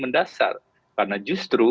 mendasar karena justru